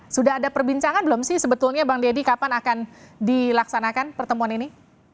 sudah ada perbincangan belum sih sebetulnya bang deddy kapan akan dilaksanakan pertemuan ini